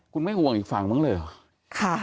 คุณไม่ห่วงอีกฝั่งบ้างเลยเหรอ